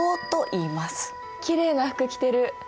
きれいな服着てる。